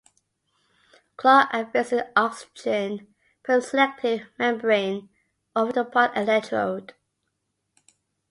Clark affixed an oxygen permselective membrane over the Part electrode.